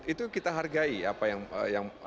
itu kita hargai apa yang